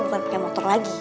bukan pake motor lagi